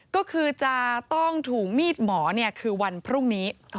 ก็คือจะต้องถูกมีดหมอคือวันพรุ่งนี้